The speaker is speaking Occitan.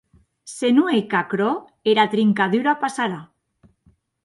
Se non ei qu’aquerò, era trincadura passarà.